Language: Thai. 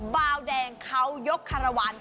เบาแดงเค้ายกคารวาน